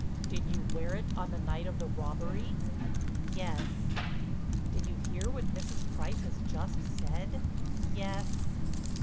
"Did you wear it on the night of the robbery?" "Yes." "Did you hear what Mrs. Price has just said?" "Yes."